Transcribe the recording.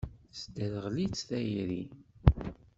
Tesderɣel-itt tayri.